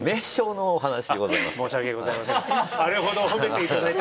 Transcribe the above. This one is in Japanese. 申し訳ございません。